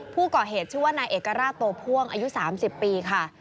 ผู้ก่อเหตุชื่อว่านายเอกราชโตพ่วงอายุ๓๐ปีค่ะ